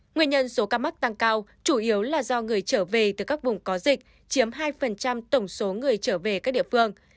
nguyên nhân số ca mắc tăng cao chủ yếu là do người trở về từ các vùng có dịch chiếm hai tổng số người trở về các địa phương